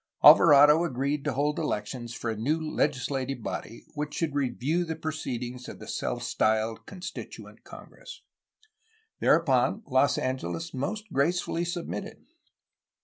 Alvarado agreed to hold elections for a new legislative body which should review the proceedings of the self styled Constituent, Congress. Thereupon, Los Angeles most gracefully submitted.